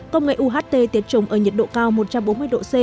công nghệ uht tiệt trùng ở nhiệt độ cao một trăm bốn mươi độ c